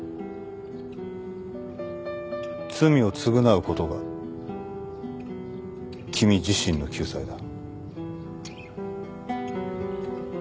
罪を償うことが君自身の救済だ。